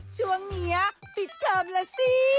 ช่วงนี้ปิดเทอมแล้วสิ